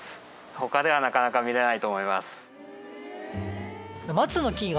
他ではなかなか見られないと思います。